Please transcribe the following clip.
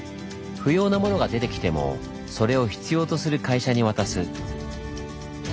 不要なものが出てきてもそれを必要とする会社に渡す。